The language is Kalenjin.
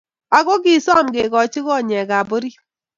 Aku kisom kekochi konyekab orit